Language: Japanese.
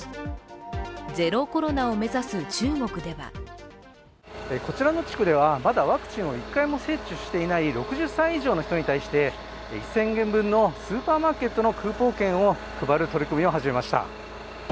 ゼロコロナを目指す中国ではこちらの地区ではまだワクチンを１回も接種していない６０歳以上の人に対して１０００元分のスーパーのクーポン券を配る取り組みを始めました。